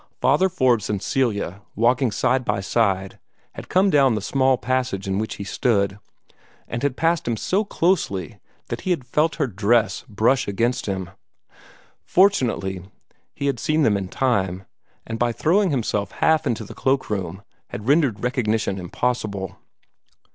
Father Forbes and Celia, walking side by side, had come down the small passage in which he stood, and had passed him so closely that he had felt her dress brush against him. Fortunately he had seen them in time, and by throwing himself half into the cloak room, had rendered recognition impossible.